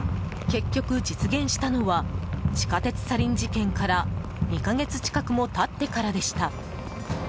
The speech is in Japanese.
結局、実現したのは地下鉄サリン事件から２か月近くも経ってからでした。